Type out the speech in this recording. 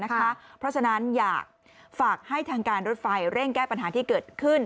เพราะฉะนั้นอยากฝากให้ทางการรถไฟเร่งแก้ปัญหาที่เกิดขึ้น